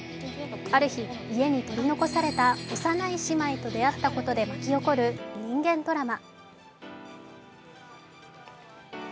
ある日、家に取り残された幼い姉妹と出会ったことで巻き起こる、人間ドラマ。